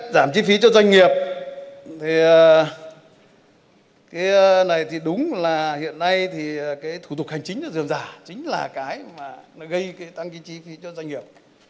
giảm chi phí cho doanh nghiệp thì cái này thì đúng là hiện nay thì cái thủ tục hành chính là dườm giả chính là cái mà nó gây cái tăng cái chi phí cho doanh nghiệp